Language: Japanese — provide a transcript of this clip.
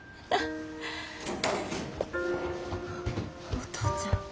お父ちゃん。